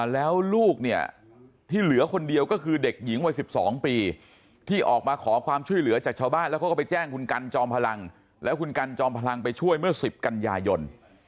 แล้วลูกเนี่ยที่เหลือคนเดียวก็คือเด็กหญิงวัย๑๒ปีที่ออกมาขอความช่วยเหลือจากชาวบ้านแล้วเขาก็ไปแจ้งคุณกันจอมพลังแล้วคุณกันจอมพลังไปช่วยเมื่อ๑๐กันยายน